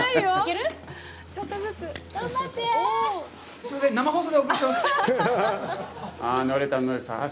すいません、生放送でお送りしております。